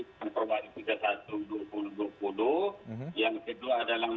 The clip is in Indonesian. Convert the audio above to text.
mulai mengembangkan program pembatasan pergerakan populasi ini dari luar kota makassar